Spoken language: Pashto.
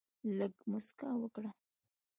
لږ مسکا وکړه.